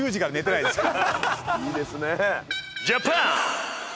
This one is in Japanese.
いいですね。